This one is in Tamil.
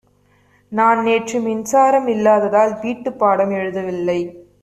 நான் நேற்று மின்சாரம் இல்லாததால் வீட்டுப்பாடம் எழுதவில்லை.